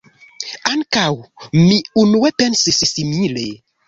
Ankaŭ mi unue pensis simile.